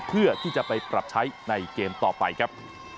เพื่อที่จะไปปรับใช้ในเกมต่อไปครับ